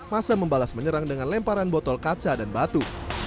masa membalas menyerang dengan lemparan botol kaca dan batu